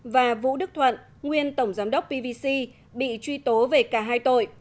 và vũ đức thuận nguyên tổng giám đốc pvc bị truy tố về cả hai tội